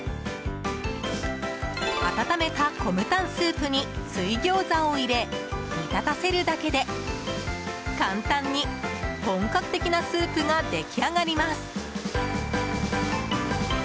温めたコムタンスープに水餃子を入れ、煮立たせるだけで簡単に本格的なスープが出来上がります。